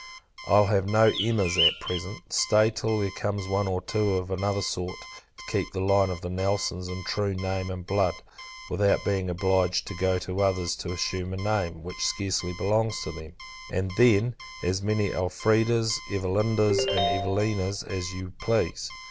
I'll have no Emmas, at present. Stay till there comes one or two of another sort, to keep the line of the Nelsons in the true name and blood, without being obliged to go to others to assume a name which scarcely belongs to them; and, then, as many Emmas, Elfridas, Evelindas, and Evelinas, as you please.